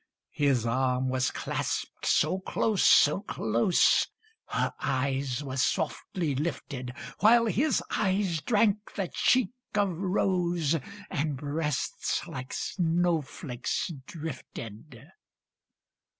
His arm was clasped so close, so close, Her eyes were softly lifted, While his eyes drank the cheek of rose And breasts like snowflakes drifted.